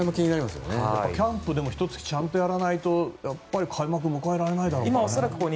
キャンプでも１つ、ちゃんとやらないと開幕を迎えられないだろうからね。